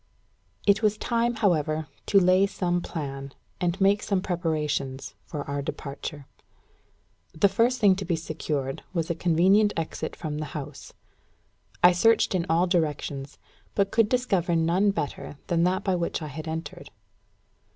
It was time, however, to lay some plan, and make some preparations, for our departure. The first thing to be secured was a convenient exit from the house. I searched in all directions, but could discover none better than that by which I had entered.